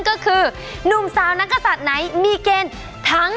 แม่บ้านประจันบัน